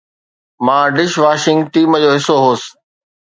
مان dish washing team جو حصو هوس.